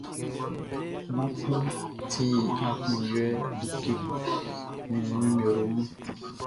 Math ti aklunjuɛ like nin nimero mun.